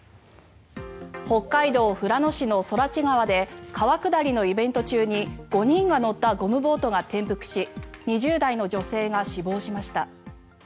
北海道富良野市の空知川で川下りのイベント中に５人が乗ったゴムボートが転覆し２０代の女性が死亡しました。